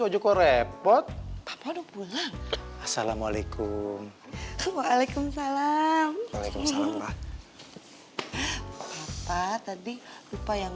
aja kok repot sama dong pulang assalamualaikum waalaikumsalam waalaikumsalam pak tadi lupa yang